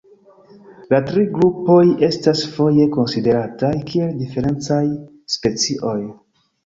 La tri grupoj estas foje konsiderataj kiel diferencaj specioj.